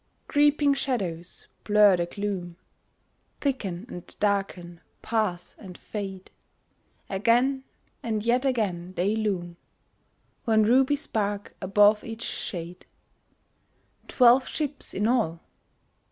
Creeping shadows blur the gloom, Thicken and darken, pass and fade; Again and yet again they loom, One ruby spark above each shade Twelve ships in all!